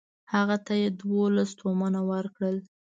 هغه ته یې دوولس تومنه ورکړل.